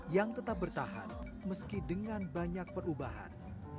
yang tetap bertahan meski dengan banyak perubahan